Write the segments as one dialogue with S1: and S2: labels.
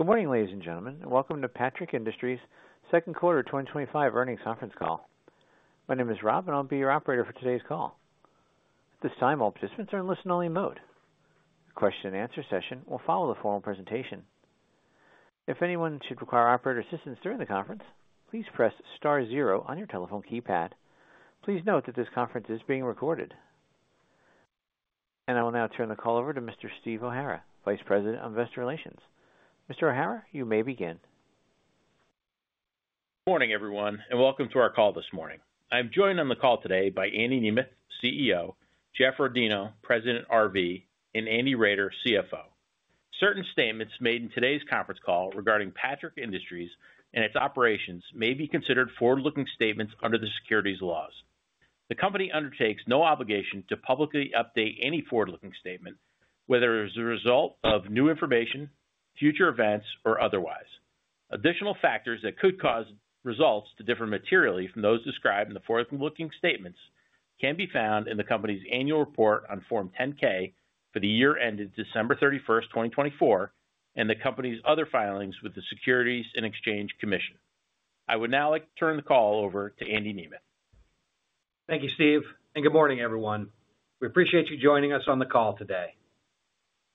S1: Good morning ladies and gentlemen and welcome to Patrick Industries second quarter 2025 earnings conference call. My name is Rob and I'll be your operator for today's call. At this time all participants are in listen only mode. The question and answer session will follow the formal presentation. If anyone should require operator assistance during the conference, please press star zero on your telephone keypad. Please note that this conference is being recorded. I will now turn the call over to Mr. Steve O'Hara, Vice President of Investor Relations. Mr. O'Hara, you may begin.
S2: Good morning, everyone, and welcome to our call this morning. I'm joined on the call today by Andy Nemeth, CEO, and Jeff Rodino, President, RV. Andy Roeder, CFO. Certain statements made in today's conference call. Regarding Patrick Industries and its operations may be considered forward-looking statements. Under the securities laws, the company undertakes no obligation to publicly update any forward-looking statements, whether as a result of. New information, future events or otherwise. Additional factors that could cause results to differ materially from those described in the forward-looking statements can be found in. The company's Annual Report on Form 10-K. For the year ended December 31st, 2024, and the company's other filings with the Securities and Exchange Commission. I would now like to turn the. Call over to Andy Nemeth.
S3: Thank you, Steve, and good morning, everyone. We appreciate you joining us on the call today.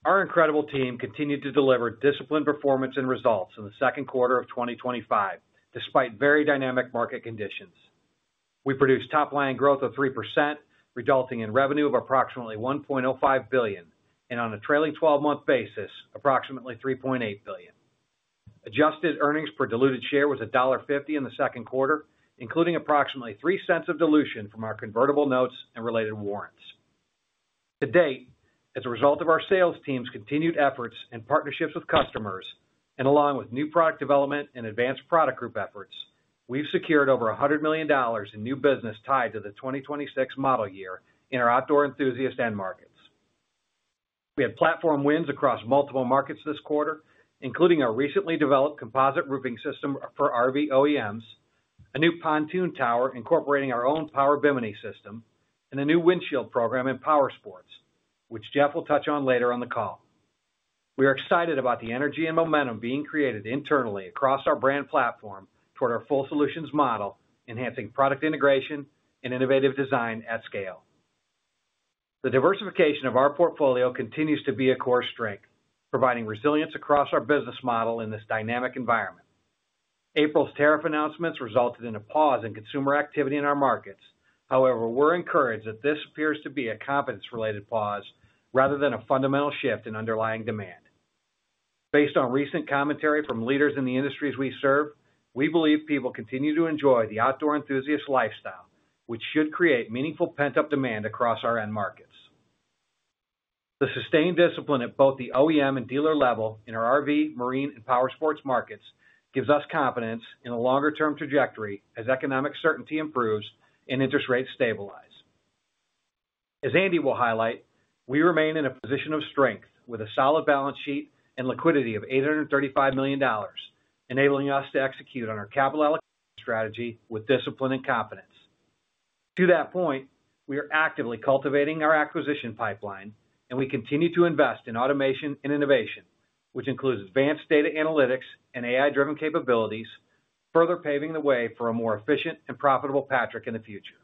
S3: Our incredible team continued to deliver disciplined performance and results in the second quarter of 2025 despite very dynamic market conditions. We produced top line growth of 3%, resulting in revenue of approximately $1.05 billion and, on a trailing 12-month basis, approximately $3.8 billion. Adjusted earnings per diluted share was $1.50 in the second quarter, including approximately $0.03 of dilution from our convertible notes and related warrants to date. As a result of our sales team's continued efforts and partnerships with customers, and along with new product development and Advanced Product Group efforts, we've secured over $100 million in new business tied to the 2026 model year in our outdoor enthusiast end markets. We had platform wins across multiple markets this quarter, including our recently developed composite roofing system for RV OEMs, a new pontoon tower incorporating our own Power Bimini system, and a new windshield program in powersports, which Jeff will touch on later on the call. We are excited about the energy and momentum being created internally across our brand platform toward our full solutions model, enhancing product integration and innovative design at scale. The diversification of our portfolio continues to be a core strength, providing resilience across our business model. In this dynamic environment, April's tariff announcements resulted in a pause in consumer activity in our markets. However, we're encouraged that this appears to be a confidence-related pause rather than a fundamental shift in underlying demand. Based on recent commentary from leaders in the industries we serve, we believe people continue to enjoy the outdoor enthusiast lifestyle, which should create meaningful pent-up demand across our end markets. The sustained discipline at both the OEM and dealer level in our RV, marine, and powersports markets gives us confidence in a longer-term trajectory as economic certainty improves and interest rates stabilize. As Andy will highlight, we remain in a position of strength with a solid balance sheet and liquidity of $835 million, enabling us to execute on our capital allocation strategy with discipline and confidence. To that point, we are actively cultivating our acquisition pipeline, and we continue to invest in automation and innovation, which includes advanced data analytics and AI-driven capabilities, further paving the way for a more efficient and profitable Patrick in the future.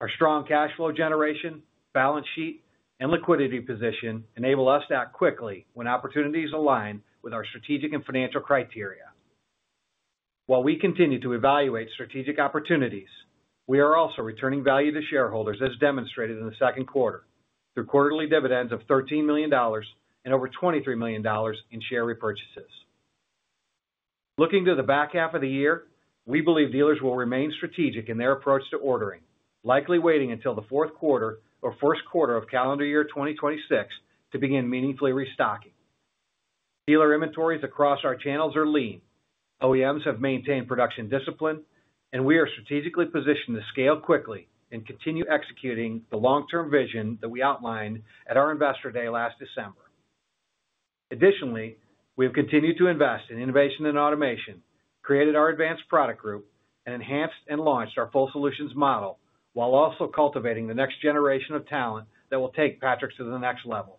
S3: Our strong cash flow generation, balance sheet, and liquidity position enable us to act quickly when opportunities align with our strategic and financial criteria. While we continue to evaluate strategic opportunities, we are also returning value to shareholders as demonstrated in the second quarter through quarterly dividends of $13 million and over $23 million in share repurchases. Looking to the back half of the year, we believe dealers will remain strategic in their approach to ordering, likely waiting until the fourth quarter or first quarter of calendar year 2026 to begin meaningfully restocking. Dealer inventories across our channels are lean, OEMs have maintained production discipline, and we are strategically positioned to scale quickly and continue executing the long-term vision that we outlined at our investor day last December. Additionally, we have continued to invest in innovation and automation, created our Advanced Product Group, and enhanced and launched our full solutions model while also cultivating the next generation of talent that will take Patrick to the next level.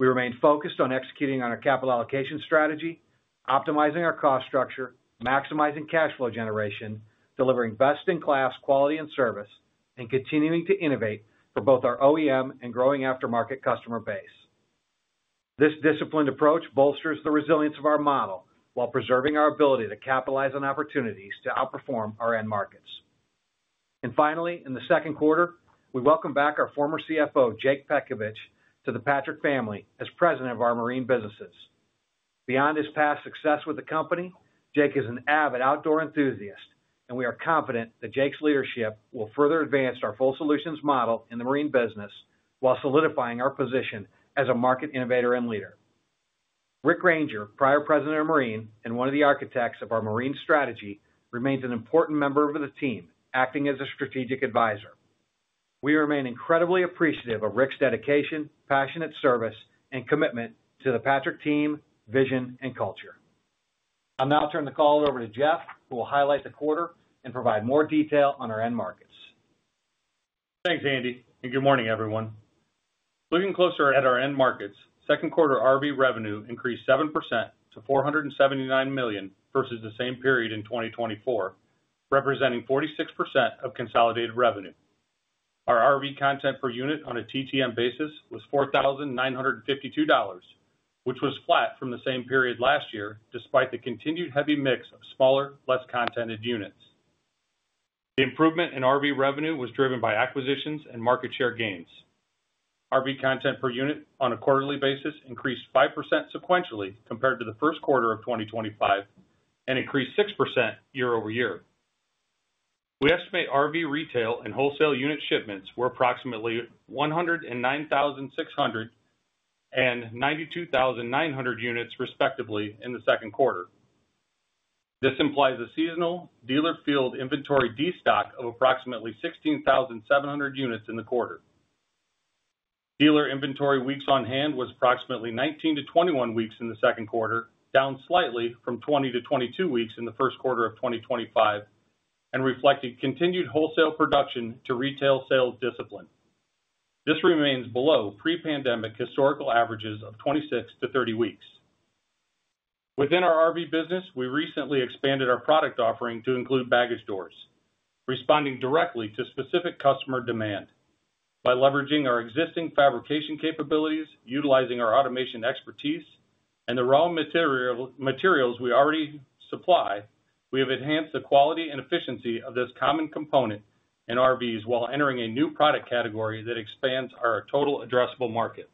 S3: We remain focused on executing on our capital allocation strategy, optimizing our cost structure, maximizing cash flow generation, delivering best-in-class quality and service, and continuing to innovate for both our OEM and growing aftermarket customer base. This disciplined approach bolsters the resilience of our model while preserving our ability to capitalize on opportunities to outperform our end markets. Finally, in the second quarter, we welcomed back our former CFO Jake Petkovich to the Patrick family as President of our marine businesses. Beyond his past success with the company, Jake is an avid outdoor enthusiast, and we are confident that Jake's leadership will further advance our full solutions model in the marine business while solidifying our position as a market innovator and leader. Rick Ranger, prior President of Marine and one of the architects of our marine strategy, remains an important member of the team, acting as a strategic advisor. We remain incredibly appreciative of Rick's dedication, passionate service, and commitment to the Patrick team vision and culture. I'll now turn the call over to Jeff who will highlight the quarter and provide more detail on our end markets.
S4: Thanks Andy and good morning everyone. Looking closer at our end markets, second quarter RV revenue increased 7% to $479 million versus the same period in 2024, representing 46% of consolidated revenue. Our RV content per unit on a TTM basis was $4,952, which was flat from the same period last year despite the continued heavy mix of smaller, less contented units. The improvement in RV revenue was driven by acquisitions and market share gains. RV content per unit on a quarterly basis increased 5% sequentially compared to the first quarter of 2025 and increased 6%year-over-year. We estimate RV retail and wholesale unit shipments were approximately 109,600 and 92,900 units respectively in the second quarter. This implies a seasonal dealer field inventory destock of approximately 16,700 units in the quarter. Dealer inventory weeks on hand was approximately 19-21 weeks in the second quarter, down slightly from 20-22 weeks in the first quarter of 2025 and reflected continued wholesale production to retail sales discipline. This remains below pre-pandemic historical averages of 26-30 weeks within our RV business. We recently expanded our product offering to include baggage doors, responding directly to specific customer demand by leveraging our existing fabrication capabilities. Utilizing our automation expertise and the raw materials we already supply, we have enhanced the quality and efficiency of this common component in RVs while entering a new product category that expands our total addressable market.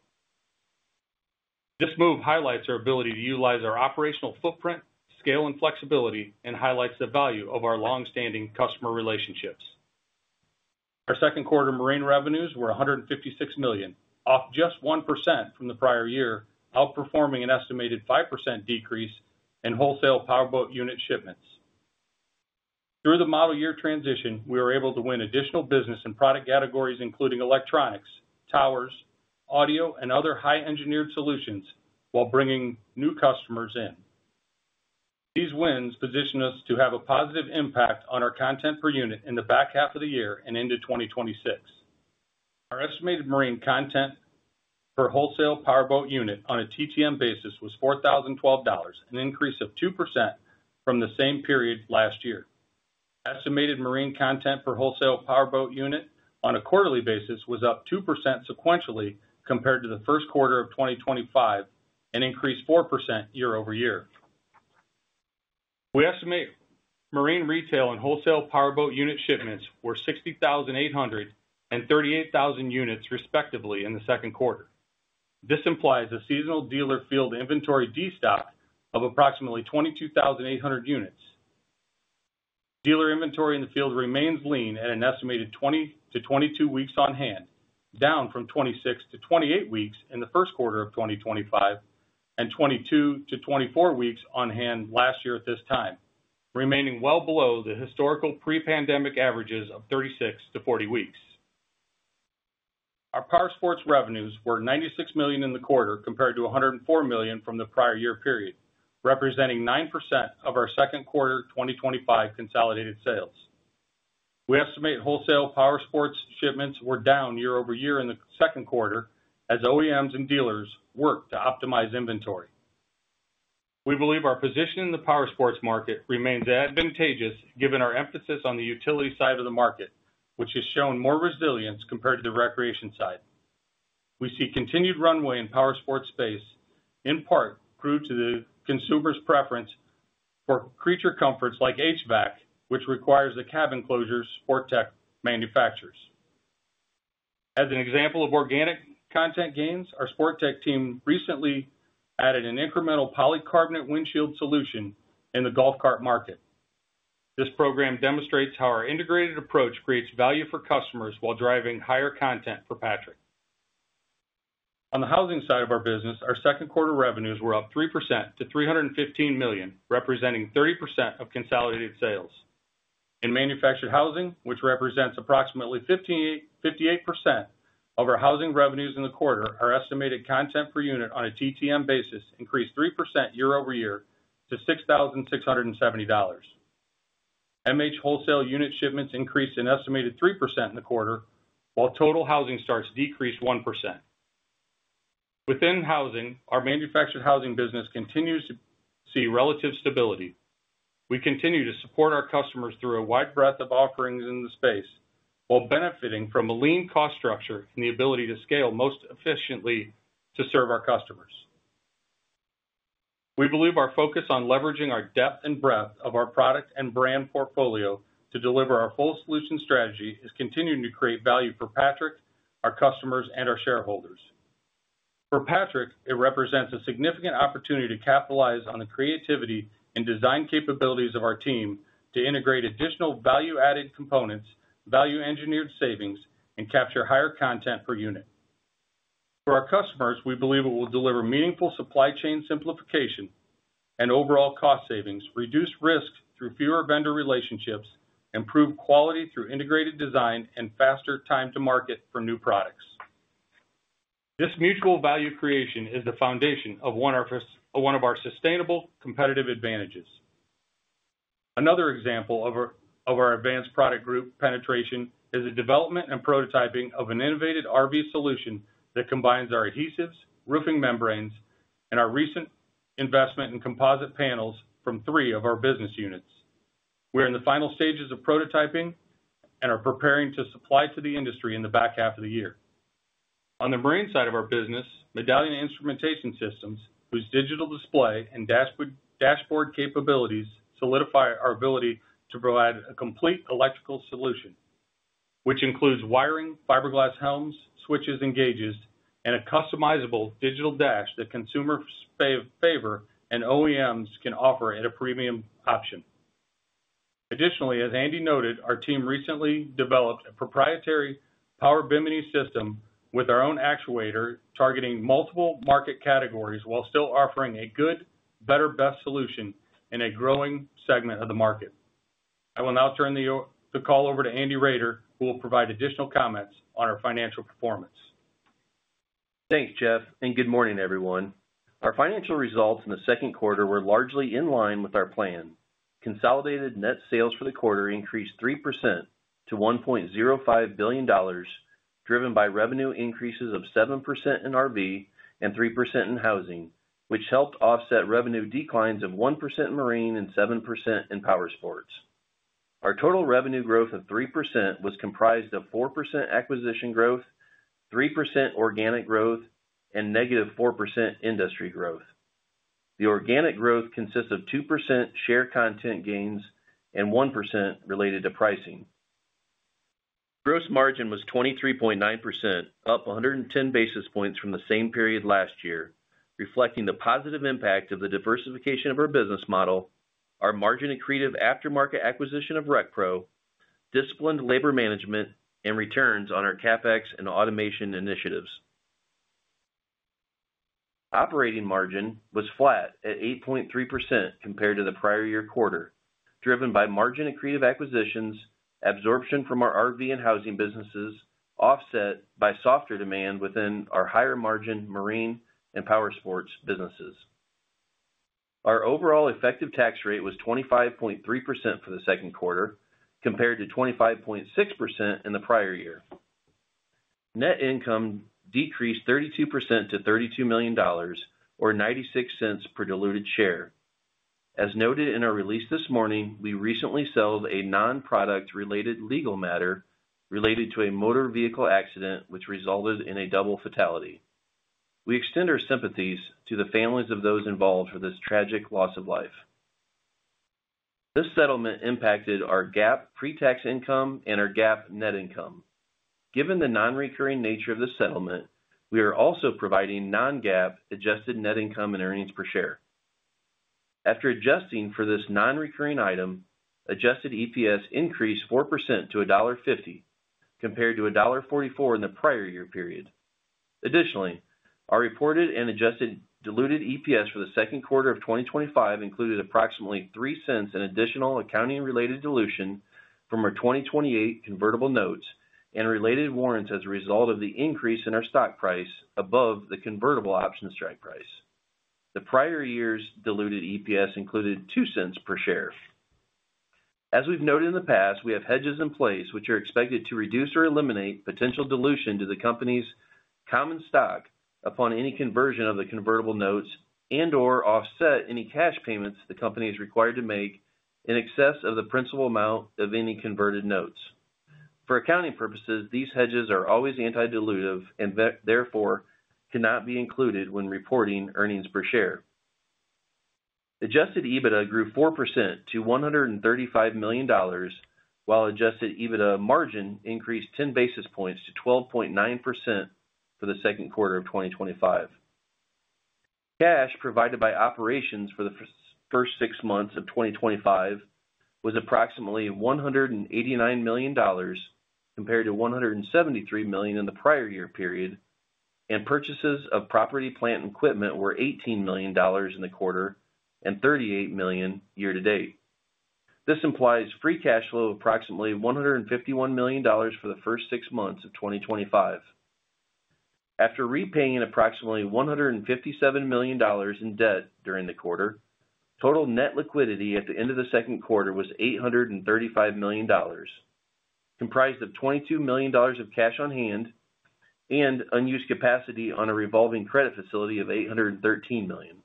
S4: This move highlights our ability to utilize our operational footprint, scale, and flexibility and highlights the value of our long-standing customer relationships. Our second quarter marine revenues were $156 million, off just 1% from the prior year, outperforming an estimated 5% decrease in wholesale powerboat unit shipments. Through the model year transition, we were able to win additional business in product categories including electronics, towers, audio, and other high engineered solutions while bringing new customers in. These wins position us to have a positive impact on our content per unit in the back half of the year and into 2026. Our estimated marine content per wholesale powerboat unit on a TTM basis was $4,012, an increase of 2% from the same period last year. Estimated marine content per wholesale powerboat unit on a quarterly basis was up 2% sequentially compared to the first quarter of 2025 and increased 4% year-over-year. We estimate marine retail and wholesale powerboat unit shipments were 60,000 and 838,000 units, respectively, in the second quarter. This implies a seasonal dealer field inventory destock of approximately 22,800 units. Dealer inventory in the field remains lean at an estimated 20-22 weeks on hand, down from 26-28 weeks in the first quarter of 2025 and 22-24 weeks on hand last year at this time, remaining well below the historical pre-pandemic averages of 36-40 weeks. Our powersports revenues were $96 million in the quarter compared to $104 million from the prior year period, representing 9% of our second quarter 2025 consolidated sales. We estimate wholesale powersports shipments were down year-over-year in the second quarter as OEMs and dealers work to optimize inventory. We believe our position in the powersports market remains advantageous given our emphasis on the utility side of the market, which has shown more resilience compared to the recreation side. We see continued runway in the powersports space in part due to the consumer's preference for creature comforts like HVAC, which requires the cabin closure. Sport Tech manufacturers, as an example of organic content gains, our Sport Tech team recently added an incremental polycarbonate windshield solution in the golf cart market. This program demonstrates how our integrated approach creates value for customers while driving higher content for Patrick. On the housing side of our business, our second quarter revenues were up 3% to $315 million, representing 30% of consolidated sales in manufactured housing, which represents approximately 58% of our housing revenues in the quarter. Our estimated content per unit on a TTM basis increased 3% year-over-year to $6,670. MH wholesale unit shipments increased an estimated 3% in the quarter while total housing starts decreased 1%. Within housing, our manufactured housing business continues to see relative stability. We continue to support our customers through a wide breadth of offerings in the space while benefiting from a lean cost structure and the ability to scale most efficiently to serve our customers. We believe our focus on leveraging our depth and breadth of our product and brand portfolio to deliver our full solution strategy is continuing to create value for Patrick, our customers, and our shareholders. For Patrick, it represents a significant opportunity to capitalize on the creativity and design capabilities of our team to integrate additional value-added components, value-engineered savings, and capture higher content per unit for our customers. We believe it will deliver meaningful supply chain simplification and overall cost savings, reduce risk through fewer vendor relationships, improve quality through integrated design, and faster time to market for new products. This mutual value creation is the foundation of one of our sustainable competitive advantages. Another example of our Advanced Product Group penetration is the development and prototyping of an innovative RV solution that combines our adhesives, roofing membranes, and our recent investment in composite panels from three of our business units. We're in the final stages of prototyping and are preparing to supply to the industry in the back half of the year. On the marine side of our business, Medallion Instrumentation Systems, whose digital display and dashboard capabilities solidify our ability to provide a complete electrical solution which includes wiring, fiberglass, helms, switches, and gauges, and a customizable digital dash that consumers favor and OEMs can offer at a premium option. Additionally, as Andy noted, our team recently developed a proprietary Power Bimini system with our own actuator targeting multiple market categories while still offering a good, better, best solution in a growing segment of the market. I will now turn the call over to Andy Roeder, who will provide additional comments on our financial performance.
S5: Thanks Jeff and good morning everyone. Our financial results in the second quarter were largely in line with our plan. Consolidated net sales for the quarter increased 3% to $1.05 billion, driven by revenue increases of 7% in RV and 3% in housing, which helped offset revenue declines of 1% in marine and 7% in powersports. Our total revenue growth of 3% was comprised of 4% acquisition growth, 3% organic growth, and -4% industry growth. The organic growth consists of 2% share content gains and 1% related to pricing. Gross margin was 23.9%, up 110 basis points from the same period last year, reflecting the positive impact of the diversification of our business model, our margin accretive aftermarket acquisition of RecPro, disciplined labor management, and returns on our CapEx and automation initiatives. Operating margin was flat at 8.3% compared to the prior year quarter, driven by margin accretive acquisitions absorption from our RV and housing businesses, which offset by softer demand within our higher margin marine and powersports businesses. Our overall effective tax rate was 25.3% for the second quarter compared to 25.6% in the prior year. Net income decreased 32% to $32 million, or $0.96 per diluted share. As noted in our release this morning, we recently settled a non-product related legal matter related to a motor vehicle accident which resulted in a double fatality. We extend our sympathies to the families of those involved for this tragic loss of life. This settlement impacted our GAAP pre-tax income and our GAAP net income. Given the non-recurring nature of the settlement, we are also providing non-GAAP adjusted net income and earnings per share. After adjusting for this non-recurring item, adjusted EPS increased 4% to $1.50 compared to $1.44 in the prior year period. Additionally, our reported and adjusted diluted EPS for the second quarter of 2025 included approximately $0.03 in additional accounting related dilution from our 2028 convertible notes and related warrants. As a result of the increase in our stock price above the convertible option strike price, the prior year's diluted EPS included $0.02 per share. As we've noted in the past, we have hedges in place which are expected to reduce or eliminate potential dilution to the company's common stock upon any conversion of the convertible notes and or offset any cash payments the company is required to make in excess of the principal amount of any converted notes. For accounting purposes, these hedges are always anti-dilutive and therefore cannot be included when reporting earnings per share. Adjusted EBITDA grew 4% to $135 million while adjusted EBITDA margin increased 10 basis points to 12.9% for the second quarter of 2025. Cash provided by operations for the first six months of 2025 was approximately $189 million compared to $173 million in the prior year period, and purchases of property, plant, and equipment were $18 million in the quarter and $38 million year to date. This implies free cash flow of approximately $151 million for the first six months of 2025 after repaying approximately $157 million in debt during the quarter. Total net liquidity at the end of the second quarter was $835 million, comprised of $22 million of cash on hand and unused capacity on a revolving credit facility of $813 million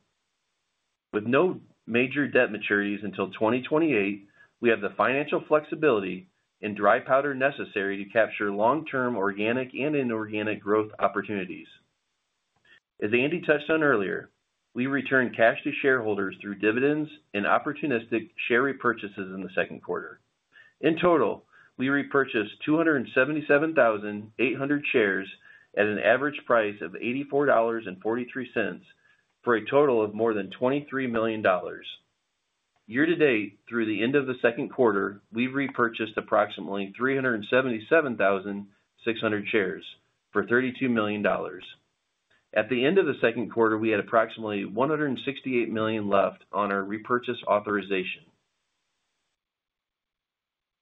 S5: with no major debt maturities until 2028. We have the financial flexibility and dry powder necessary to capture long-term organic and inorganic growth opportunities. As Andy touched on earlier, we return cash to shareholders through dividends and opportunistic share repurchases in the second quarter. In total, we repurchased 277,800 shares at an average price of $84.43 for a total of more than $23 million year to date. Through the end of the second quarter, we repurchased approximately 377,600 shares for $32 million. At the end of the second quarter, we had approximately $168 million left on our repurchase authorization.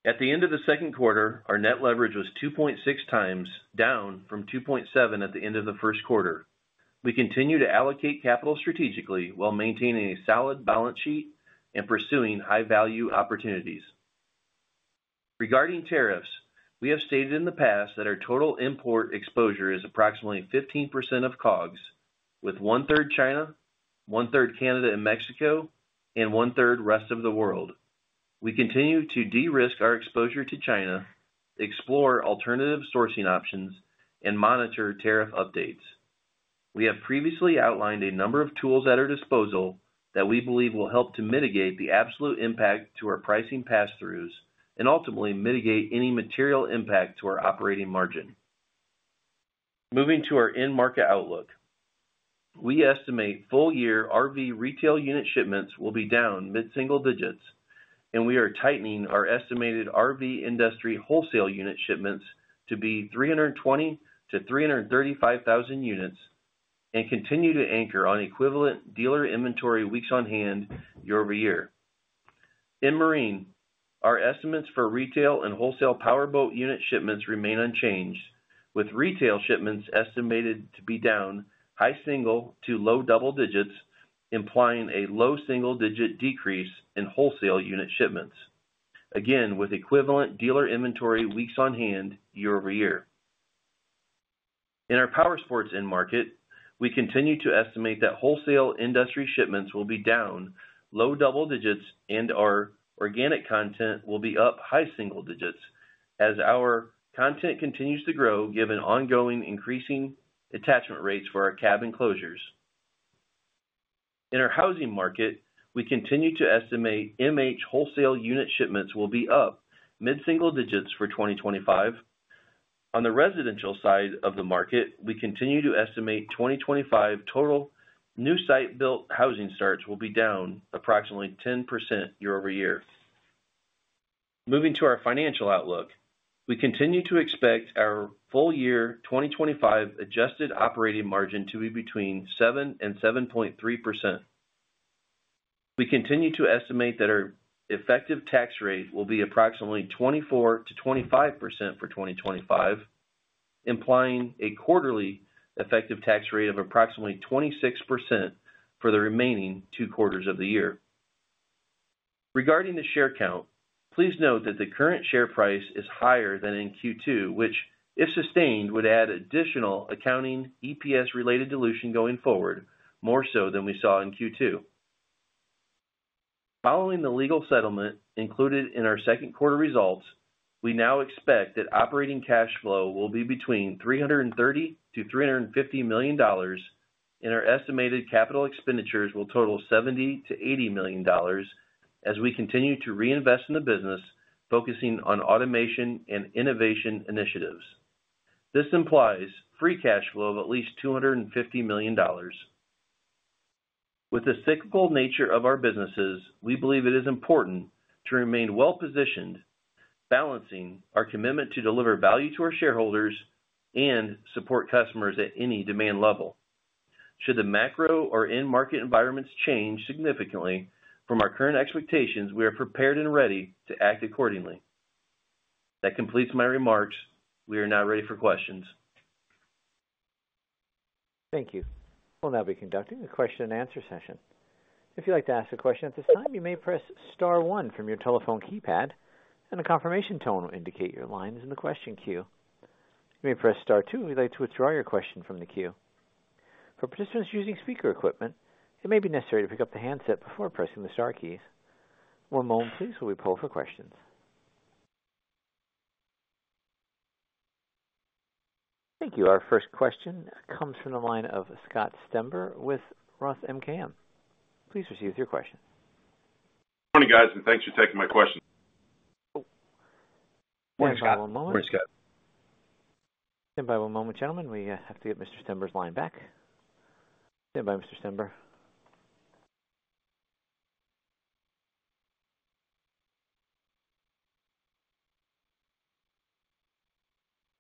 S5: At the end of the second quarter, our net leverage was 2.6x, down from 2.7 at the end of the first quarter. We continue to allocate capital strategically while maintaining a solid balance sheet and pursuing high-value opportunities. Regarding tariffs, we have stated in the past that our total import exposure is approximately 15% of COGS with 1/3 China, 1/3 Canada and Mexico, and 1/3 rest of the world. We continue to de-risk our exposure to China, explore alternative sourcing options, and monitor tariff updates. We have previously outlined a number of tools at our disposal that we believe will help to mitigate the absolute impact to our pricing pass-throughs and ultimately mitigate any material impact to our operating margin. Moving to our end market outlook, we estimate full year RV retail unit shipments will be down mid single digits, and we are tightening our estimated RV industry wholesale unit shipments to be 320,000-335,000 units and continue to anchor on equivalent dealer inventory weeks on hand year-over-year. In marine, our estimates for retail and wholesale powerboat unit shipments remain unchanged, with retail shipments estimated to be down high single to low double digits, implying a low single digit decrease in wholesale unit shipments, again with equivalent dealer inventory weeks on hand year-over-year. In our powersports end market, we continue to estimate that wholesale industry shipments will be down low double digits, and our organic content will be up high single digits as our content continues to grow given ongoing increasing attachment rates for our cab enclosures. In our housing market, we continue to estimate MH wholesale unit shipments will be up mid single digits for 2025. On the residential side of the market, we continue to estimate 2025 total new site built housing starts will be down approximately 10% year-over-year. Moving to our financial outlook, we continue to expect our full year 2025 adjusted operating margin to be between 7% and 7.3%. We continue to estimate that our effective tax rate will be approximately 24%-25% for 2025, implying a quarterly effective tax rate of approximately 26% for the remaining 2/4 of the year. Regarding the share count, please note that the current share price is higher than in Q2, which if sustained would add additional accounting EPS related dilution going forward, more so than we saw in Q2 following the legal settlement included in our second quarter results. We now expect that operating cash flow will be between $330 million-$350 million, and our estimated capital expenditures will total $70 million-$80 million. As we continue to reinvest in the business, focusing on automation and innovation initiatives, this implies free cash flow of at least $250 million. With the cyclical nature of our businesses, we believe it is important to remain well positioned, balancing our commitment to deliver value to our shareholders and support customers at any demand level. Should the macro or end market environments change significantly from our current expectations, we are prepared and ready to act accordingly. That completes my remarks. We are now ready for questions.
S1: Thank you. We'll now be conducting a question and answer session. If you'd like to ask a question at this time, you may press star one from your telephone keypad and a confirmation tone will indicate your line is in the question queue. You may press star two if you'd like to withdraw your question from the queue. For participants using speaker equipment, it may be necessary to pick up the handset before pressing the star keys. One moment please while we poll for questions. Thank you. Our first question comes from the line of Scott Stember with ROTH MKM. Please proceed with your question.
S6: Morning guys, and thanks for taking my question.
S1: Stand by. One moment, gentlemen. We have to get Mr. Stember's line back. Stand by, Mr. Stember.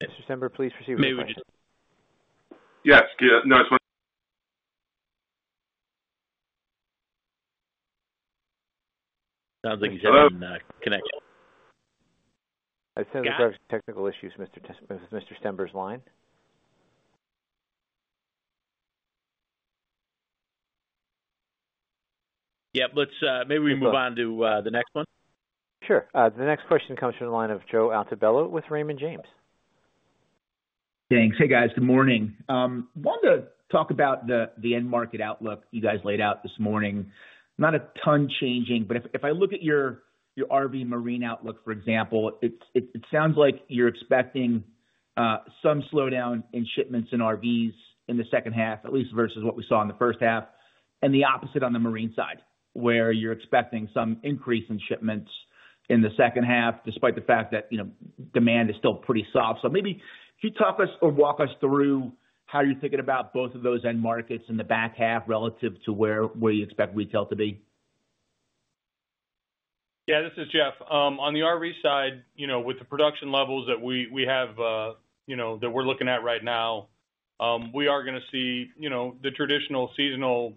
S1: Mr. Stember, please proceed.
S5: Maybe we just.
S6: Yes.
S5: Sounds like he's having connection.
S1: To technical issues, Mr. Stember's line.
S5: Yep. Let's move on to the next one.
S1: Sure. The next question comes from the line of Joe Altobello with Raymond James. Thanks.
S7: Hey guys, good morning. Wanted to talk about the end market outlook you guys laid out this morning. Not a ton changing, but if I look at your RV marine outlook, for example, it sounds like you're expecting some slowdown in shipments in RVs in the second half at least versus what we saw in the first half. The opposite on the marine side where you're expecting some increase in shipments in the second half despite the fact that demand is still pretty soft. Maybe if you talk us or. Walk us through how you're thinking about. Both of those end markets in the back half relative to where you expect retail to be.
S4: Yeah, this is Jeff on the RV side. With the production levels that we have that we're looking at right now, we are going to see the traditional seasonal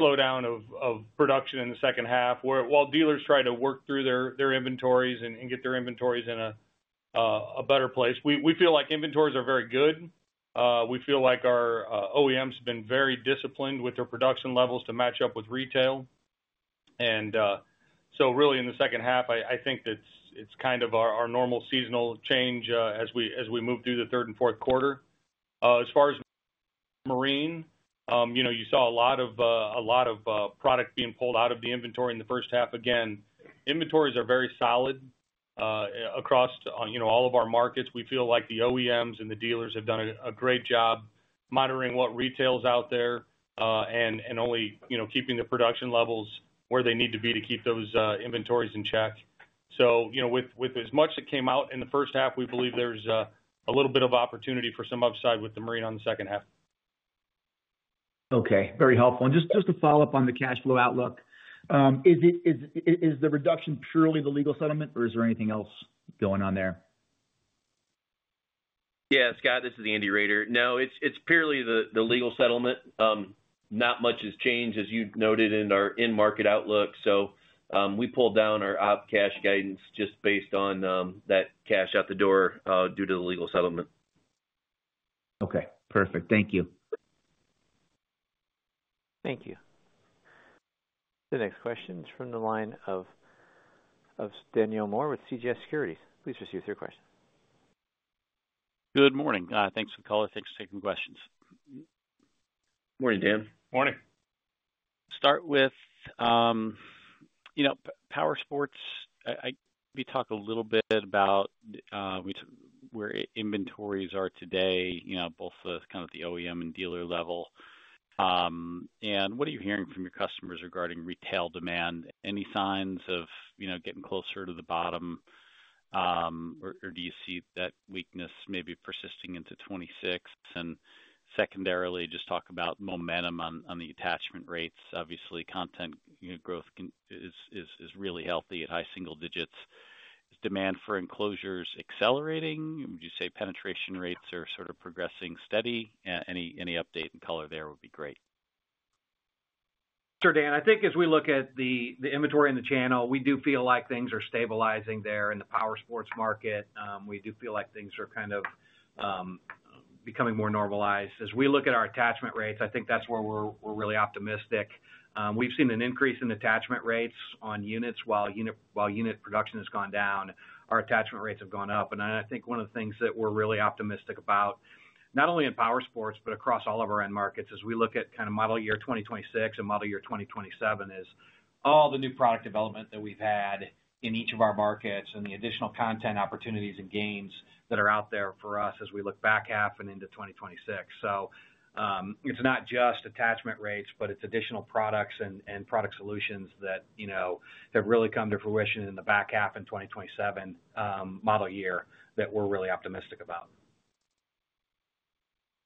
S4: slowdown of production in the second half while dealers try to work through their inventories and get their inventories in a better place. We feel like inventories are very good. We feel like our OEMs have been very disciplined with their production levels to match up with retail. In the second half, I think that it's kind of our normal seasonal change as we move through the third and fourth quarter. As far as marine, you saw a lot of product being pulled out of the inventory in the first half. Inventories are very solid across all of our markets. We feel like the OEMs and the dealers have done a great job monitoring what retail is out there and only keeping the production levels where they need to be to keep those inventories in check. With as much that came out in the first half, we believe there's a little bit of opportunity for some upside with the marine on the second half.
S7: Okay, very helpful. Just a follow up on the cash flow outlook. Is the reduction purely the legal settlement? Is there anything else going on there?
S5: Yeah, Scott, this is Andy Roeder. No, it's purely the legal settlement. Not much has changed, as you noted in our in market outlook. We pulled down our op cash guidance just based on that. Cash out the door due to the legal settlement.
S7: Okay, perfect.
S5: Thank you.
S1: Thank you. The next question is from the line of Daniel Moore with CJS Securities. Please proceed with your question.
S8: Good morning. Thanks for the call. Thanks for taking questions.
S3: Morning, Dan.
S5: Morning.
S8: Start with. You know, powersports. We talk a little bit about where inventories are today, you know, both kind of the OEM and dealer level. What are you hearing from your customers regarding retail demand? Any signs of, you know, getting closer to the bottom, or do you see that weakness maybe persisting into 2026? Secondarily, just talk about momentum on the attachment rates. Obviously, content growth is really healthy at high single digits. Is demand for enclosures accelerating, would you say? Penetration rates are sort of progressing steady. Any update in color there would be great.
S3: Sure, Dan. I think as we look at the inventory in the channel, we do feel like things are stabilizing there in the powersports market. We do feel like things are kind of becoming more normalized as we look at our attachment rates. I think that's where we're really optimistic. We've seen an increase in attachment rates on units. While unit production has gone down, our attachment rates have gone up. I think one of the things that we're really optimistic about, not only in powersports, but across all of our end markets as we look at model year 2026 and model year 2027, is all the new product development that we've had in each of our markets and the additional content opportunities and gains that are out there for us as we look back half and into 2026. It's not just attachment rates, but it's additional products and product solutions that have really come to fruition in the back half and 2027 model year that we're really optimistic about.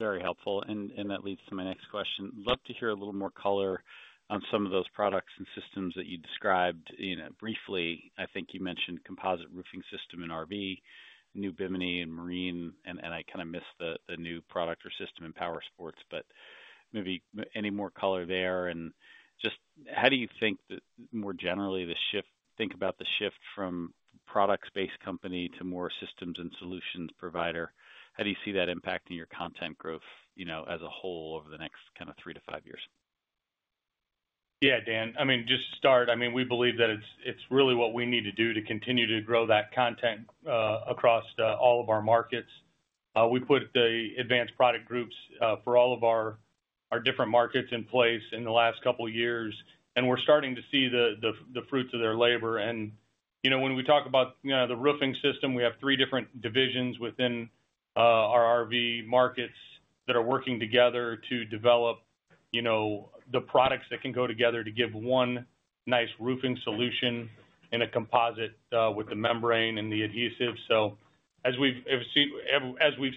S8: Very helpful. That leads to my next question. Love to hear a little more color on some of those products and systems that you described briefly. I think you mentioned composite roofing system in RV, new Bimini in Marine, and I kind of missed the new product or system in powersports, but maybe any color there. How do you think that more generally the shift, think about the shift from products-based company to more systems and solutions provider. How do you see that impacting your content growth as a whole over the next three to five years?
S4: Yeah, Dan, just to start, we believe that it's really what we need to do to continue to grow that content across all of our markets. We put the Advanced Product Group for all of our different markets in place in the last couple years and we're starting to see the fruits of their labor. When we talk about the composite roofing system, we have three different divisions within our RV markets that are working together to develop the products that can go together to give one nice roofing solution in a composite with the membrane and the adhesive. As we've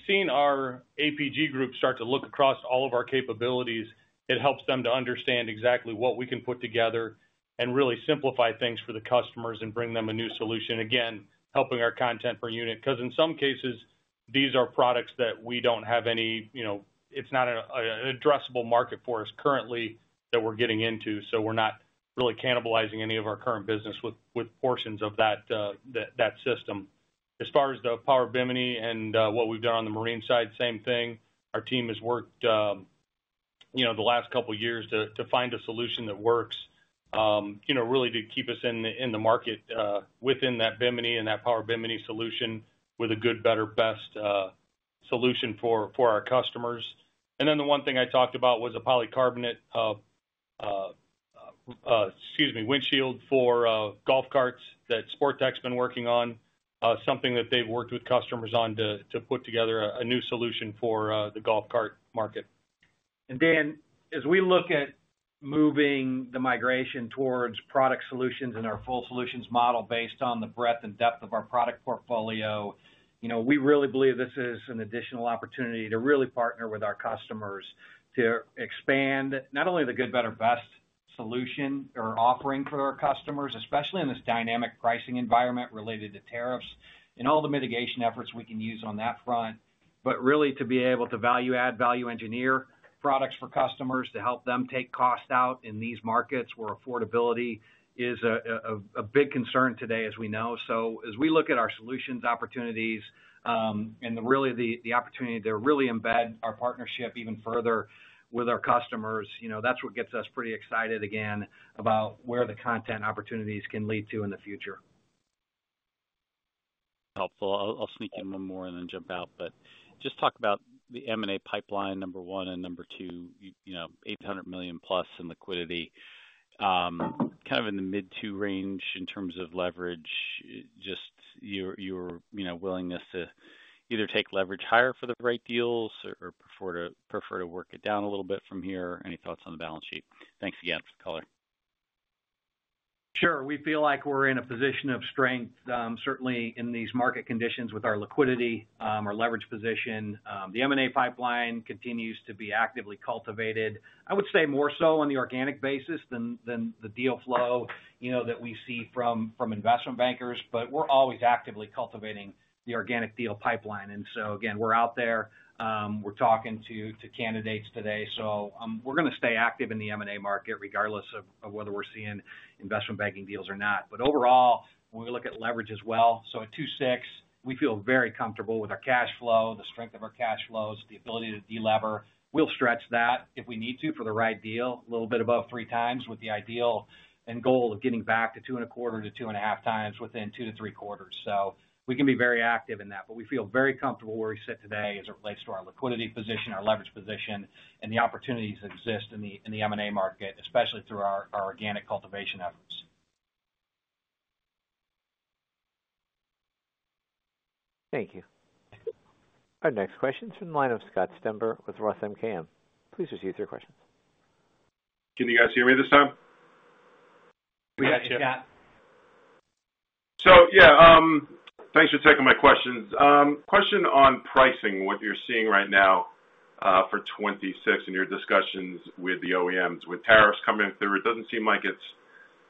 S4: seen our Advanced Product Group start to look across all of our capabilities, it helps them to understand exactly what we can put together and really simplify things for the customers and bring them a new solution. Again, helping our content per unit because in some cases these are products that we don't have any. It's not an addressable market for us currently that we're getting into, so we're not really cannibalizing any of our current business with portions of that system. As far as the Power Bimini and what we've done on the marine side, same thing. Our team has worked the last couple years to find a solution that works really to keep us in the market within that Bimini and that Power Bimini solution with a good, better, best solution for our customers. The one thing I talked about was a polycarbonate windshield for golf carts that Sport Tech's been working on, something that they've worked with customers on to put together a new solution for the golf cart market.
S3: Dan, as we look at moving the migration towards product solutions and our full solutions model based on the breadth and depth of our product portfolio, we really believe this is an additional opportunity to really partner with our customers to expand not only the good, better, best solution or offering for our customers, especially in this dynamic pricing environment related to tariffs and all the mitigation efforts we can use on that front, but really to be able to value add, value engineer products for customers to help them take cost out in these markets where affordability is a big concern today, as we know. As we look at our solutions opportunities and really the opportunity to really embed our partnership even further with our customers, that's what gets us pretty excited again about where the content opportunities can lead to in the future.
S8: Helpful. I'll sneak in one more and then jump out. Just talk about the M&A pipeline, number one, and number two, $800 million plus in liquidity, kind of in the mid to range in terms of leverage, just your willingness to either take leverage higher for the right deals or prefer to work it down a little bit from here. Any thoughts on the balance sheet? Thanks again for the color.
S3: Sure. We feel like we're in a position of strength certainly in these market conditions with our liquidity, our leverage position. The M&A pipeline continues to be actively cultivated, I would say more so on the organic basis than the deal flow that we see from investment bankers. We're always actively cultivating the organic deal pipeline. Again, we're out there, we're talking to candidates today. We're going to stay active in the M&A market regardless of whether we're seeing investment banking deals or not. Overall, when we look at leverage as well, at two six we feel very comfortable with our cash flow, the strength of our cash flows, the ability to delever. We'll stretch that if we need to for the right deal a little bit above 3x with the ideal and goal of getting back to 2.25x-2.5x within two to three quarters. We can be very active in that. We feel very comfortable where we sit today as it relates to our liquidity position, our leverage position, and the opportunities that exist in the M&A market, especially through our organic cultivation efforts. Thank you.
S1: Our next question is from the line of Scott Stember with ROTH MKM. Please proceed with your questions.
S6: Can you guys hear me this time?
S3: We got you.
S6: Thank you for taking my questions. Question on pricing, what you're seeing right now for 2026 and your discussions with the OEMs with tariffs coming through, it doesn't seem like it's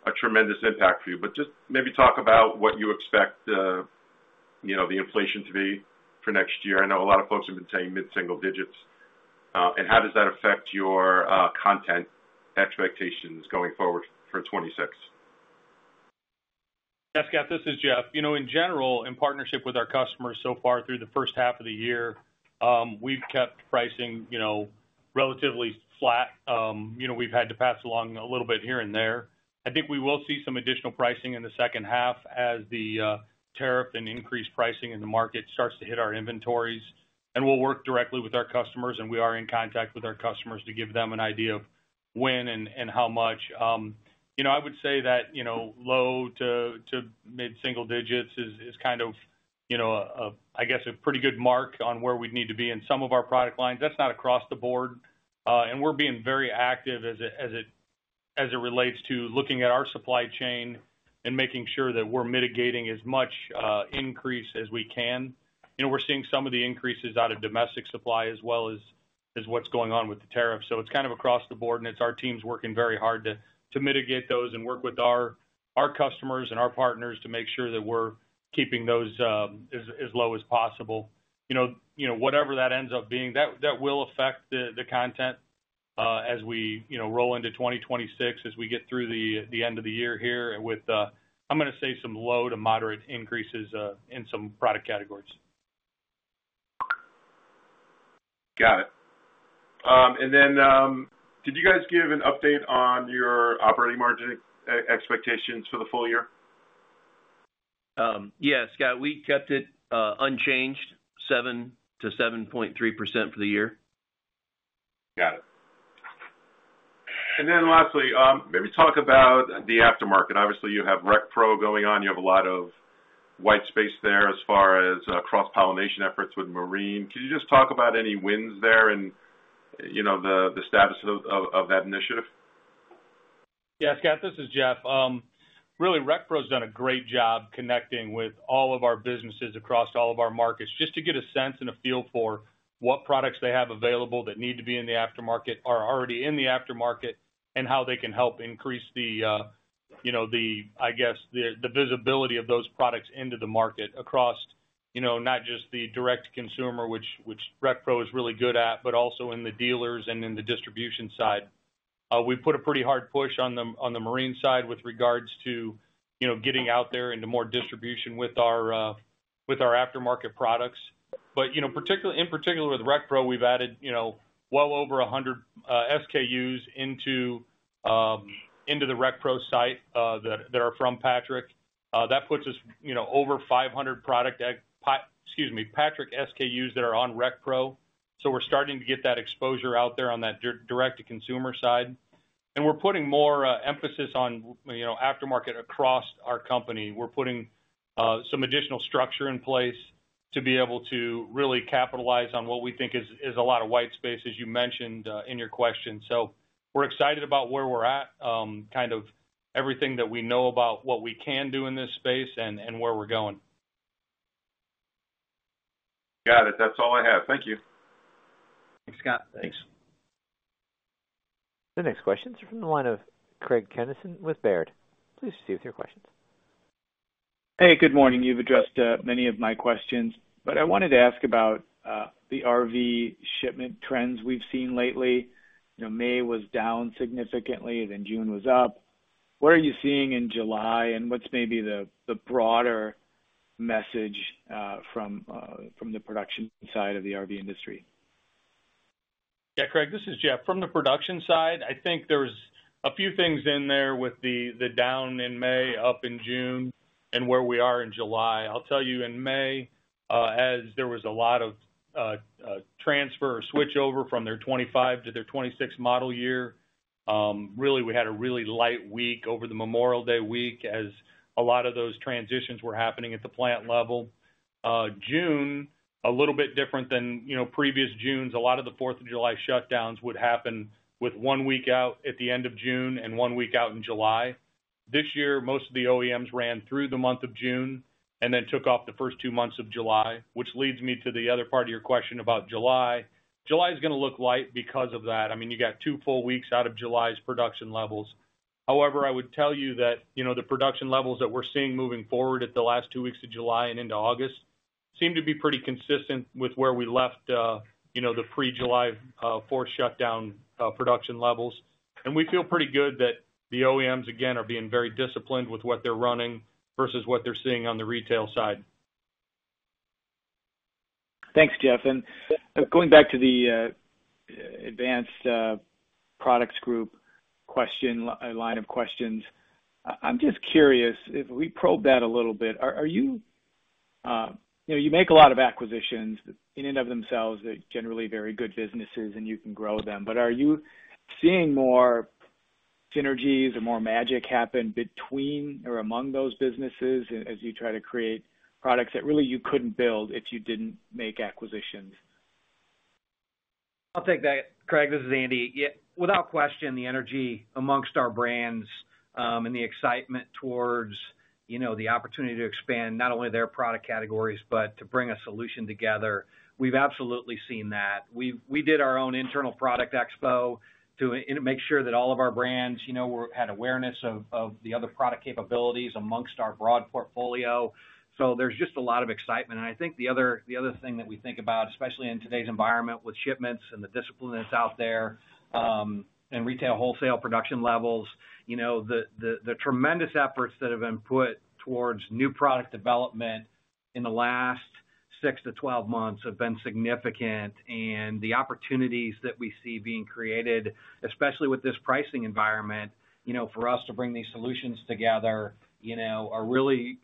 S6: a tremendous impact for you, but just maybe talk about what you expect the inflation to be for next year. I know a lot of folks have been saying mid single digits and how does that affect your content expectations going forward for 2026?
S4: Yes. Scott, this is Jeff. In general, in partnership with our customers, so far through the first half of the year, we've kept pricing relatively flat. We've had to pass along a little bit here and there. I think we will see some additional pricing in the second half as the tariff and increased pricing in the market start to hit our inventories. We'll work directly with our customers and we are in contact with our customers to give them an idea of when and how much. I would say that low to mid single digits is kind of a pretty good mark on where we'd need to be in some of our product lines. That's not across the board. We're being very active as it relates to looking at our supply chain and making sure that we're mitigating as much increase as we can. We're seeing some of the increases out of domestic supply as well as what's going on with the tariffs. It's kind of across the board. Our team's working very hard to mitigate those and work with our customers and our partners to make sure that we're keeping those as low as possible. Whatever that ends up being, that will affect the content as we roll into 2026, as we get through the end of the year here with, I'm going to say, some low to moderate increases in some product categories.
S6: Got it. Did you guys give an update on your operating margin expectations for the full year?
S5: Yes, Scott, we kept it unchanged, 7%-7.3% for the year.
S6: Got it. Lastly, maybe talk about the aftermarket. Obviously you have RecPro going on. You have a lot of white space there as far as cross pollination efforts with Marine. Can you just talk about any wins there and the status of that initiative?
S4: Yeah, Scott, this is Jeff. Really, RecPro has done a great job connecting with all of our businesses across all of our markets just to get a sense and a feel for what products they have available that need to be in the aftermarket, are already in the aftermarket, and how they can help increase the visibility of those products into the market across not just the direct consumer, which RecPro is really good at, but also in the dealers and in the distribution side. We put a pretty hard push on the marine side with regards to getting out there into more distribution with our aftermarket products, but in particular with RecPro. We've added well over 100 SKUs into the RecPro site that are from Patrick. That puts us over 500 Patrick SKUs that are on RecPro. We're starting to get that exposure out there on that direct to consumer side, and we're putting more emphasis on aftermarket across our company. We're putting some additional structure in place to be able to really capitalize on what we think is a lot of white space, as you mentioned in your question. We're excited about where we're at, kind of everything that we know about what we can do in this space and where we're going.
S6: Got it. That's all I have. Thank you.
S3: Thanks, Scott.
S5: Thanks.
S1: The next questions are from the line of Craig Kennison with Baird. Please proceed with your questions.
S9: Hey, good morning. You've addressed many of my questions, but I wanted to ask about the RV shipment trends we've seen lately. May was down significantly, then June was up. What are you seeing in July, and what's maybe the broader message from the production side of the RV industry?
S4: Yeah, Craig, this is Jeff from the production side. I think there's a few things in there with the down in May, up in June, and where we are in July. I'll tell you in May, as there was a lot of transfer or switch over from their 2025 to their 2026 model year. Really, we had a really light week over the Memorial Day week as a lot of those transitions were happening at the plant level. June a little bit different than previous Junes. A lot of the 4th of July shutdowns would happen with one week out at the end of June and one week out in July. This year, most of the OEMs ran through the month of June and then took off the first two weeks of July. Which leads me to the other part of your question about July. July is going to look light because of that. I mean, you got two full weeks out of July's production levels. However, I would tell you that the production levels that we're seeing moving forward at the last two weeks of July and into August seem to be pretty consistent with where we left the pre-July 4th shutdown production levels. We feel pretty good that the OEMs again are being very disciplined with what they're running versus what they're seeing on the retail side.
S9: Thanks, Jeff. Going back to the Advanced Product Group question, line of questions. I'm just curious if we probe that a little bit, are you, you know, you make a lot of acquisitions in and of themselves. They're generally very good businesses and you can grow them. Are you seeing more synergies and more magic happen between or among those businesses as you try to create products that really you couldn't build if you didn't make acquisitions?
S3: I'll take that. Craig, this is Andy. Without question, the energy amongst our brands and the excitement towards the opportunity to expand not only their product categories but to bring a solution together. We've absolutely seen that. We did our own internal product expo to make sure that all of our brands had awareness of the other product capabilities amongst our broad portfolio. There's just a lot of excitement. The other thing that we think about, especially in today's environment with shipments and the discipline that's out there and retail wholesale production levels, the tremendous efforts that have been put towards new product development in the last six to twelve months have been significant and the opportunities that we see being created, especially with this pricing environment, for us to bring these solutions together are really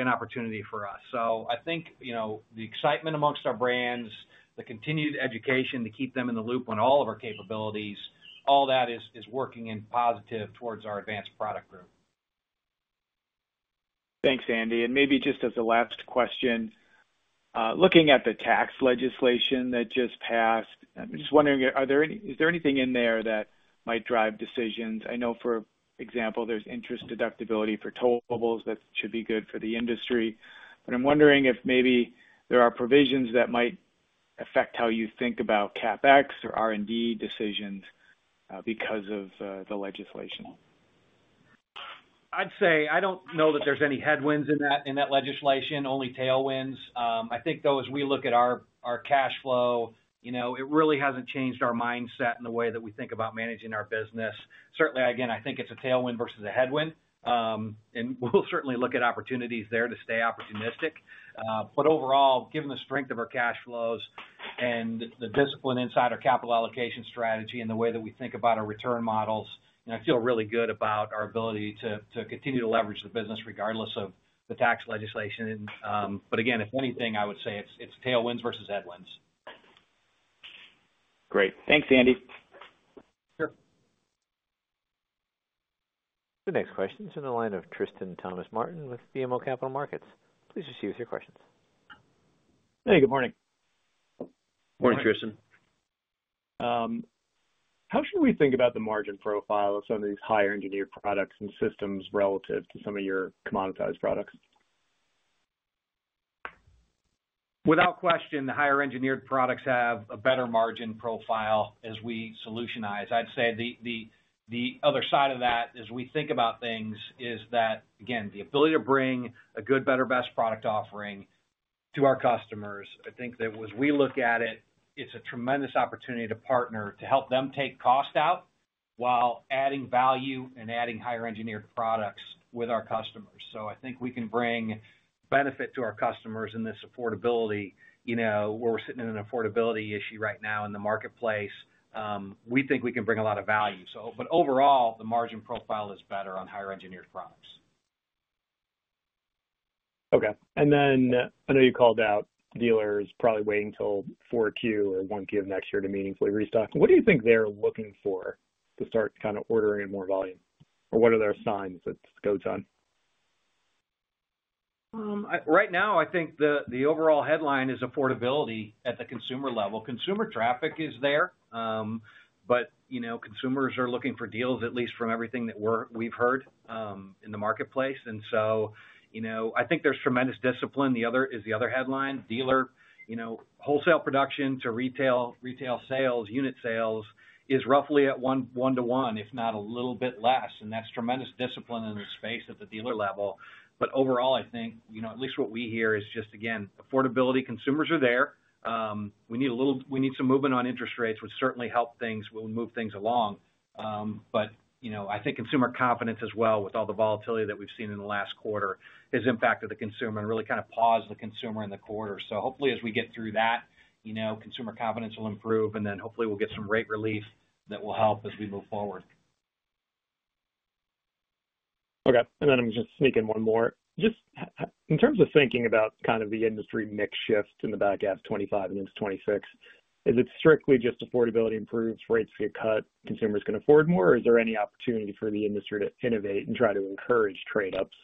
S3: an opportunity for us. The excitement amongst our brands, the continued education to keep them in the loop on all of our capabilities, all that is working in positive towards our Advanced Product Group.
S9: Thanks, Andy. Maybe just as a last question, looking at the tax legislation that just passed, I'm just wondering, is there anything in there that might drive decisions? I know for example, there's interest deductibility for towables that should be good for the industry. I'm wondering if maybe there are provisions that might affect how you think about CapEx or R&D decisions because of the legislation.
S3: I'd say I don't know that there's any headwinds in that legislation, only tailwinds. I think though, as we look at our cash flow, it really hasn't changed our mindset in the way that we think about managing our business. Certainly, I think it's a tailwind versus a headwind and we'll certainly look at opportunities there to stay opportunistic. Overall, given the strength of our cash flows and the discipline inside our capital allocation strategy and the way that we think about our return models, I feel really good about our ability to continue to leverage the business regardless of the tax legislation. If anything, I would say it's tailwinds versus headwinds.
S9: Great. Thanks, Andy.
S1: The next question is on the line of Tristan Thomas Martin with BMO Capital Markets. Please proceed with your questions.
S10: Hey, good morning.
S3: Morning, Tristan.
S10: How should we think about the margin profile of some of these?
S3: Higher engineered products and systems relative to some of your commoditized products? Without question, the higher engineered products have a better margin profile as we solutionize. I'd say the other side of that, as we think about things, is that again, the ability to bring a good, better, best product offering to our customers. I think that as we look at it, it's a tremendous opportunity to partner, to help them take cost out while adding value and adding higher engineered products with our customers. I think we can bring benefit to our customers in this affordability. You know where we're sitting in an affordability issue right now in the marketplace, we think we can bring a lot of value. Overall, the margin profile is better on higher engineered products.
S10: Okay, and then I know you called out dealers probably waiting till 4Q. quarter of next year to meaningfully restock. What do you think they're looking for to start kind of ordering more volume, or what are their signs that go time?
S3: Right now, I think the overall headline is affordability at the consumer level. Consumer traffic is there, but consumers are looking for deals, at least from everything that we've heard in the marketplace. I think there's tremendous discipline. The other headline is dealer wholesale production to retail. Retail sales unit sales is roughly at one to one, if not a little bit less. That's tremendous discipline in the space at the dealer level. Overall, I think at least what we hear is just again, affordability. Consumers are there. We need some movement on interest rates, which would certainly help things, will move things along. I think consumer confidence as well, with all the volatility that we've seen in the last quarter, has impacted the consumer and really kind of paused the consumer in the quarter. Hopefully, as we get through that, consumer confidence will improve and then hopefully we'll get some rate relief that will help as we move forward.
S10: Okay, I'm just sneaking one more. Just in terms of thinking about the industry mix shift in the back half of 2025 and into 2026, is. It strictly just affordability improves, rates get cut, consumers can afford more. there any opportunity for the industry to innovate and try to encourage trade ups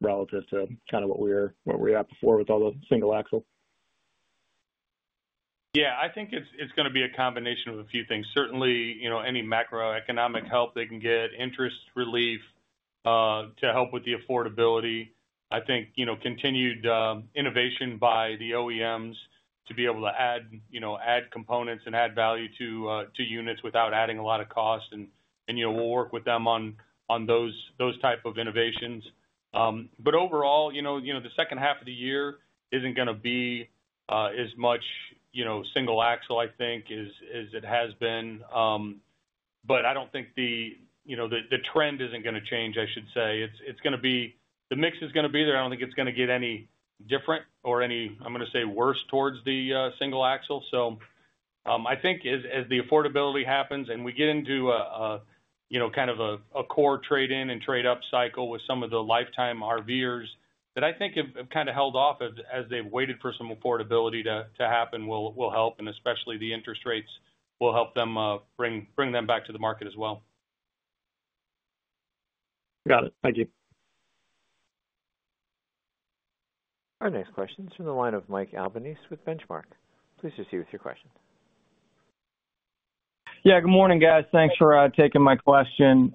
S10: relative to kind of what we are? Where we are before with all the single axle.
S4: I think it's going to be a combination of a few things. Certainly any macroeconomic help they can get, interest relief to help with the affordability. I think continued innovation by the OEMs to be able to add components and add value to units without adding a lot of cost, and we'll work with them on those type of innovations. Overall, the second half of the year isn't going to be as much single axle, I think, as it has been. I don't think the trend isn't going to change. I should say the mix is going to be there. I don't think it's going to get any different or any, I'm going to say, worse towards the single axle. I think as the affordability happens and we get into, you know, kind of a core trade in and trade up cycle with some of the lifetime RVers that I think have kind of held off as they've waited for some affordability to happen, will help, and especially the interest rates will help them bring them back to the market as well.
S10: Got it. Thank you.
S1: Our next question is from the line of Mike Albanese with Benchmark. Please proceed with your question.
S11: Yeah, good morning, guys. Thanks for taking my question.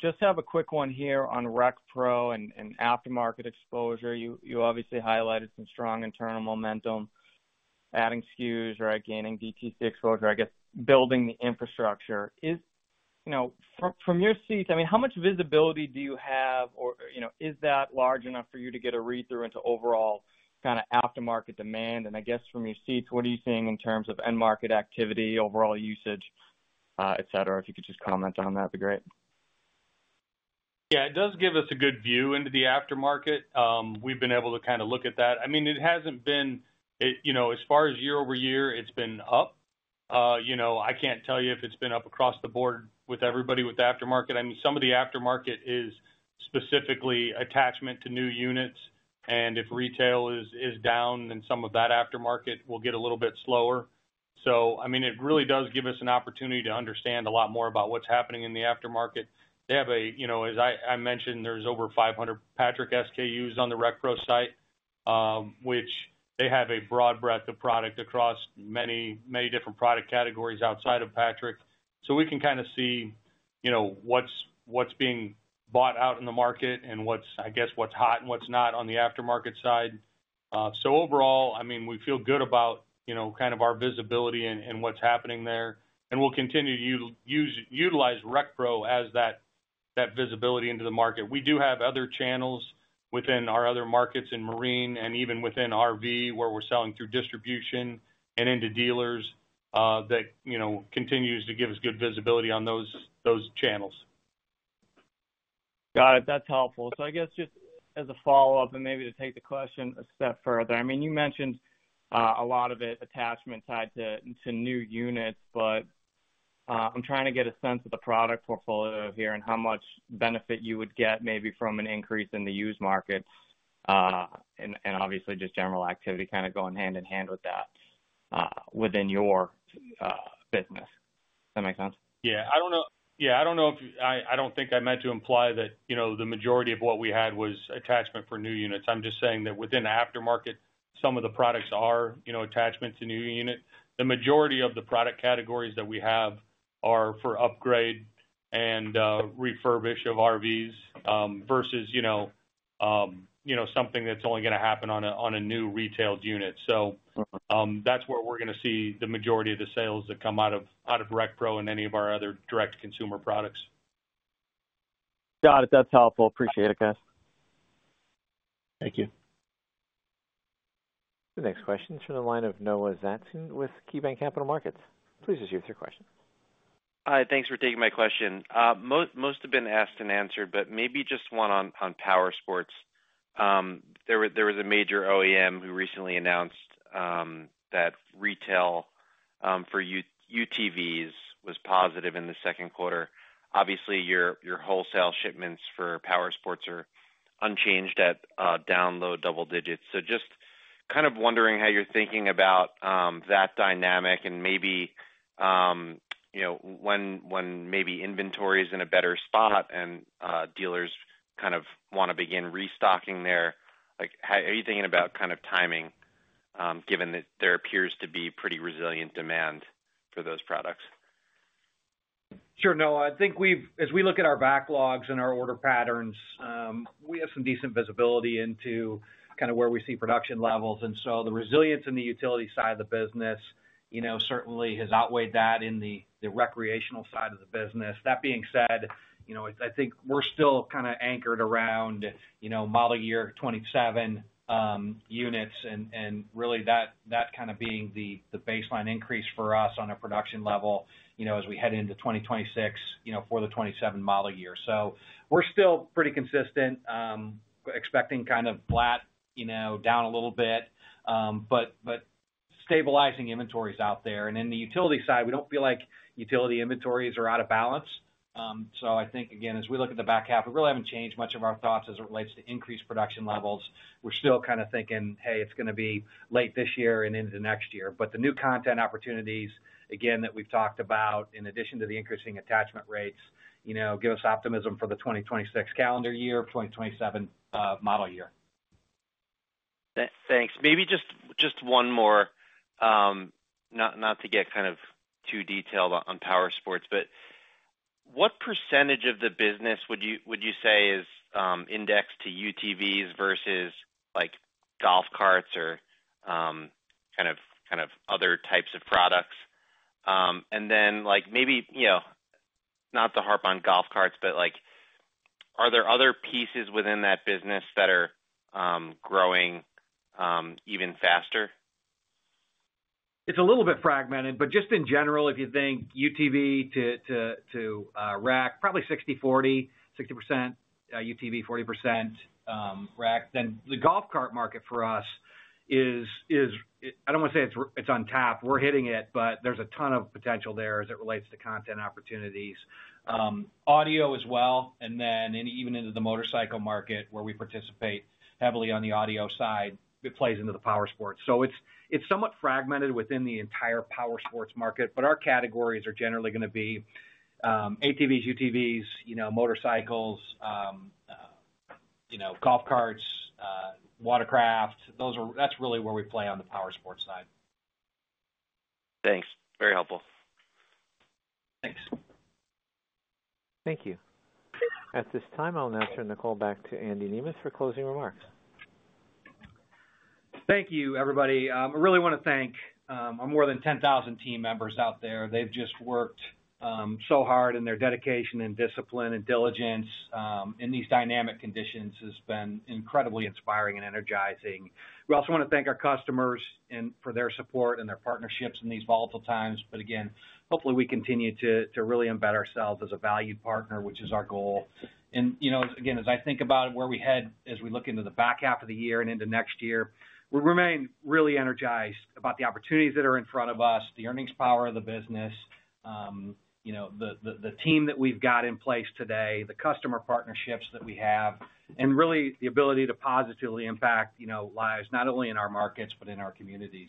S11: Just have a quick one here on RecPro and aftermarket exposure. You obviously highlighted some strong internal momentum, adding SKUs, right? Gaining DTC exposure. I guess building the infrastructure is, from your seats, how much visibility do you have, or is that large enough for you? To get a read through into overall. Kind of aftermarket demand? I guess from your seats, what. Are you seeing in terms of end? Market activity, overall usage, et cetera? If you could just comment on that. Great.
S4: Yeah, it does give us a good view into the aftermarket. We've been able to kind of look at that. I mean, it hasn't been, you know, as far as year-over-year it's been up, you know, I can't tell you if it's been up across the board with everybody with aftermarket. I mean, some of the aftermarket is specifically attachment to new units and if retail is down then some of that aftermarket will get a little bit slower. It really does give us an opportunity to understand a lot more about what's happening in the aftermarket. They have, as I mentioned, there's over 500 Patrick SKUs on the RecPro site, which they have a broad breadth of product across many, many different product categories outside of Patrick. We can kind of see what's being bought out in the market and what's, I guess, what's hot and what's not on the aftermarket side. Overall, we feel good about kind of our visibility and what's happening there. We'll continue to utilize RecPro as that visibility into the market. We do have other channels within our other markets in marine and even within RV where we're selling through distribution and into dealers. That continues to give us good visibility on those channels.
S11: Got it. That's helpful. I guess just as a follow. Maybe to take the question a step further, you mentioned a lot of it attachment tied to new units, but I'm trying to get a sense of the product portfolio here and how much benefit you would get maybe from an increase in the used market and obviously just general activity kind of going hand in hand with that within your business. Does that make sense?
S4: I don't know if I meant to imply that the majority of what we had was attachment for new units. I'm just saying that within aftermarket, some of the products are attachments in new units. The majority of the product categories that we have are for upgrade and refurbish of RVs versus something that's only going to happen on a new retailed unit. That's where we're going to see the majority of the sales that come out of RecPro and any of our other direct consumer products.
S11: Got it. That's helpful. Appreciate it, guys.
S4: Thank you.
S1: The next question is from the line of Noah Zatzkin with KeyBanc Capital Markets. Please just use your question.
S12: Hi, thanks for taking my question. Most have been asked and answered, but maybe just one. On powersports, there was a major OEM who recently announced that retail for. UTVs was positive in the second quarter. Obviously, your wholesale shipments for powersports are. Unchanged at down low double digits. I'm just kind of wondering how you're. Thinking about that dynamic and maybe. When. Maybe inventory is in a better spot and dealers kind of want to begin restocking there. How are you thinking about timing given that there appears to be pretty resilient demand for those products?
S3: Sure, Noah, as we look at our backlogs and our order patterns, we have some decent visibility into where we see production levels. The resilience in the utility side of the business certainly has outweighed that in the recreational side of the business. That being said, we're still kind of anchored around model year 2027 units, and really that being the baseline increase for us on a production level as we head into 2026 for the 2027 model year. We're still pretty consistent, expecting kind of flat, down a little bit, but stabilizing inventories out there. In the utility side, we don't feel like utility inventories are out of balance. Again, as we look at the back half, we really haven't changed much of our thoughts as it relates to increased production levels. We're still kind of thinking it's going to be late this year and into next year. The new content opportunities again that we've talked about, in addition to the increasing attachment rates, give us optimism for the 2026 calendar year and 2027 model year.
S12: Thanks. Maybe just one more. Not to get kind of too detailed on powersports components, but what % of the business would you say is indexed to. UTVs versus, like, golf carts or kind of other types of products? Maybe not to harp on golf carts, but, like, are there other pieces within that business that are growing even faster?
S3: It's a little bit fragmented, but just in general, if you think UTV to REC, probably 60%, 40%, 60% UTV, 40% REC. The golf cart market for us is, I don't want to say it's untapped. We're hitting it, but there's a ton of potential there as it relates to content opportunities. Audio as well, and then even into the motorcycle market, where we participate heavily on the audio side, it plays into the powersports. It's somewhat fragmented within the entire powersports market, but our categories are generally going to be ATVs, UTVs, motorcycles, golf carts, watercraft. That's really where we play on the powersports side.
S12: Thanks. Very helpful.
S3: Thanks.
S1: Thank you. At this time, I'll now turn the call back to Andy Nemeth for closing remarks.
S3: Thank you, everybody. I really want to thank our more than 10,000 team members out there. They've just worked so hard, and their dedication, discipline, and diligence in these dynamic conditions has been incredibly inspiring and energizing. We also want to thank our customers for their support and their partnerships in these volatile times. Hopefully we continue to really embed ourselves as a valued partner, which is our goal. As I think about where we head, as we look into the back half of the year and into next year, we remain really energized about the opportunities that are in front of us, the earnings power of the business, the team that we've got in place today, the customer partnerships that we have, and really, the ability to positively impact lives, not only in our markets, but in our communities.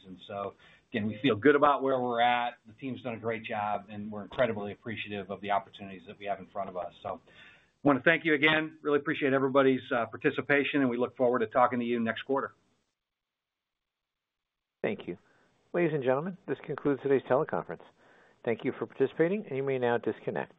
S3: We feel good about where we're at. The team's done a great job, and we're incredibly appreciative of the opportunities that we have in front of us. I want to thank you again, really appreciate everybody's participation, and we look forward to talking to you next quarter.
S1: Thank you. Ladies and gentlemen, this concludes today's teleconference. Thank you for participating. You may now disconnect.